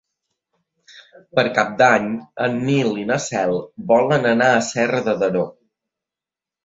Per Cap d'Any en Nil i na Cel volen anar a Serra de Daró.